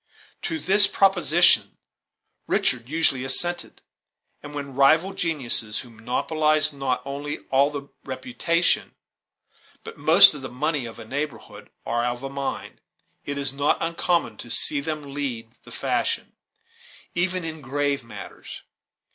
To this proposition Richard usually assented; and when rival geniuses who monopolize not only all the reputation but most of the money of a neighborhood, are of a mind, it is not uncommon to see them lead the fashion, even in graver matters.